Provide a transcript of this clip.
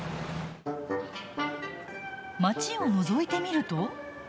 街をのぞいてみると。